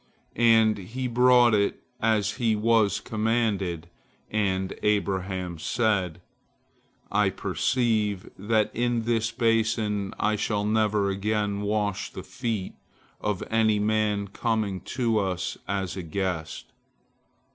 And he brought it as he was commanded, and Abraham said, "I perceive that in this basin I shall never again wash the feet of any man coming to us as a guest."